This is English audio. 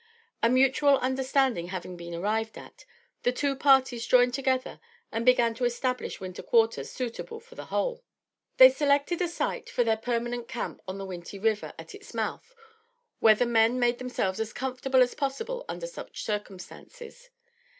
A mutual understanding having been arrived at, the two parties joined together and began to establish Winter Quarters suitable for the whole. They selected a site for their permanent camp on the Winty River, at its mouth, where the men made themselves as comfortable as possible under such circumstances.